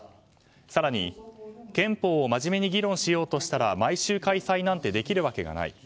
更に憲法を真面目に議論しようとしたら毎週開催なんてできるわけがない。